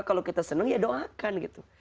kalau kita senang ya doakan gitu